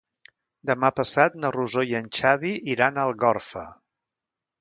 Demà passat na Rosó i en Xavi iran a Algorfa.